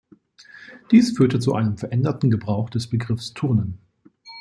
Dies führte zu einem veränderten Gebrauch des Begriffes Turnen.